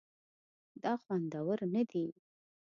دا خوندور نه دي